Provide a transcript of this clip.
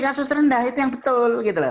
kasus rendah itu yang betul